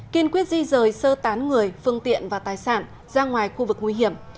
kiên quyết di rời sơ tán người phương tiện và tài sản ra ngoài khu vực nguy hiểm